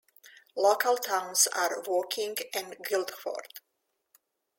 Local towns are Woking and Guildford.